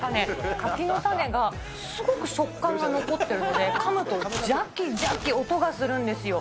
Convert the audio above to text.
柿の種がすごく食感が残ってるので、かむとじゃきじゃき音がするんですよ。